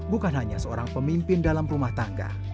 bukan hanya seorang pemimpin dalam rumah tangga